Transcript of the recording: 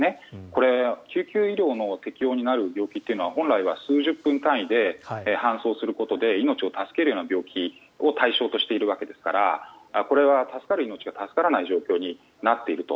これ、救急医療の適用になる病気というのは本来、数十分単位で搬送することで命を助けるような病気を対象としていることですからこれは助かる命が助からない状況になっていると。